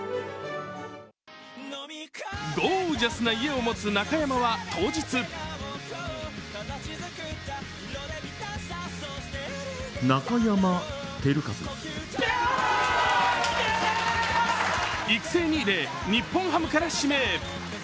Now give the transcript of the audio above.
ゴージャスな家を持つ中山は当日育成２位で日本ハムから指名。